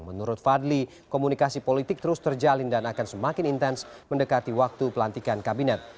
menurut fadli komunikasi politik terus terjalin dan akan semakin intens mendekati waktu pelantikan kabinet